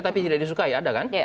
tapi tidak disukai ada kan